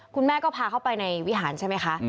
คุณแม่ก็พาเข้าไปในวิหารใช่ไหมคะ